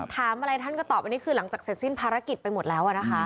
ถามอะไรท่านก็ตอบอันนี้คือหลังจากเสร็จสิ้นภารกิจไปหมดแล้วนะคะ